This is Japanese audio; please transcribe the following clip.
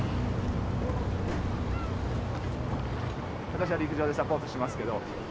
私は陸上でサポートしますけど。